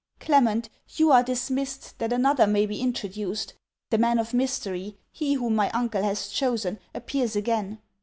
Clement, you are dismissed that another may be introduced. The man of mystery, he whom my uncle has chosen, appears again.